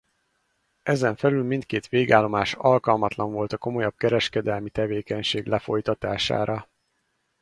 Ezen felül mindkét végállomás alkalmatlan volt a komolyabb kereskedelmi tevékenység lefolytatására.